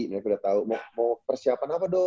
nih aku udah tau mau persiapan apa dodo